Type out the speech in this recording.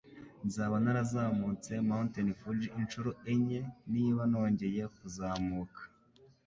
Nzaba narazamutse Mt. Fuji inshuro enye niba nongeye kuzamuka.